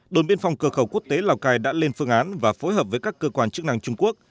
đồn biên phòng cửa khẩu quốc tế lào cai đã lên phương án và phối hợp với các cơ quan chức năng trung quốc